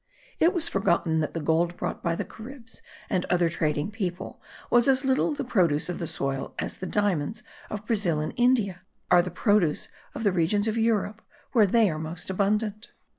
It was forgotten that the gold brought by the Caribs and other trading people was as little the produce of the soil as the diamonds of Brazil and India are the produce of the regions of Europe, where they are most abundant.